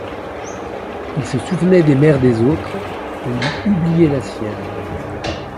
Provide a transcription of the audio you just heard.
Il se souvenait des mères des autres, et il oubliait la sienne.